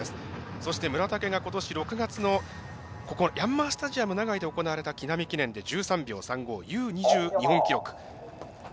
そして、村竹が６月のヤンマースタジアム長居で行われた木南記念で１３秒３５。